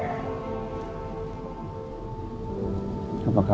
itu tradisi hati